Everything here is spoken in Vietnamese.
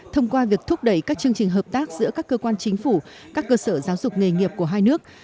thông qua việc thúc đẩy các chương trình hợp tác giữa các cơ quan chính phủ các cơ sở giáo dục nghề nghiệp của hai nước